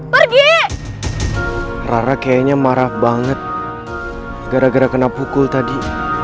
pak dia rara kayaknya marah banget gara gara kena pukul tadi